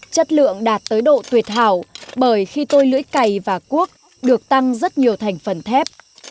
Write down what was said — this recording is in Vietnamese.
chất lượng đạt tới độ tuyệt hảo bởi khi tôi lưỡi cày và cuốc được tăng rất nhiều thành phần thép